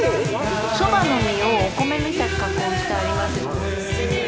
そばの実をお米みたく加工してありまして。